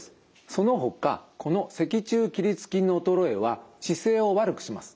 そのほかこの脊柱起立筋の衰えは姿勢を悪くします。